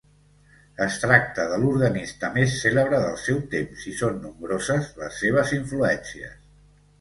Es tracta de l'organista més cèlebre del seu temps i són nombroses les seves influències.